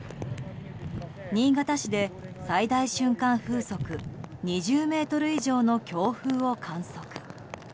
新潟市で最大瞬間風速２０メートル以上の強風を観測。